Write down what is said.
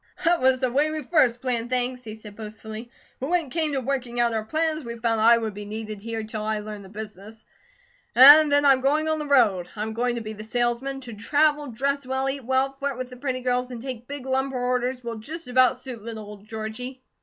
"That was the way we first planned things," he said boastfully, "but when it came to working out our plans, we found I would be needed here till I learned the business, and then I'm going on the road. I am going to be the salesman. To travel, dress well, eat well, flirt with the pretty girls, and take big lumber orders will just about suit little old Georgie."